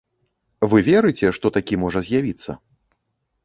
Вы верыце, што такі можа з'явіцца?